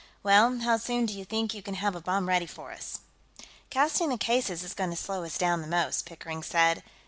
"Well, how soon do you think you can have a bomb ready for us?" "Casting the cases is going to slow us down the most," Pickering said.